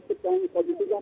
ketujuan itu rumah